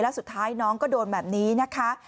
แล้วสุดท้ายน้องก็โดนแบบนี้นะคะ